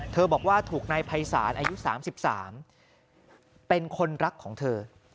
บอกว่าถูกนายภัยศาลอายุ๓๓เป็นคนรักของเธอ